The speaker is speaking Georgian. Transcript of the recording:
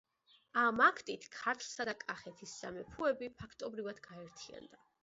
ამ აქტით ქართლისა და კახეთის სამეფოები ფაქტობრივად გაერთიანდა.